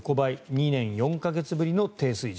２年４か月ぶりの低水準。